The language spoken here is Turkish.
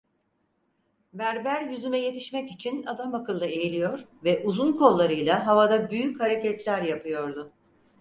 Berber yüzüme yetişmek için adamakıllı eğiliyor ve uzun kollarıyla havada büyük hareketler yapıyordu.